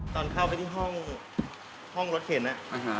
ตอนเข้าไปที่ห้องรถเข็น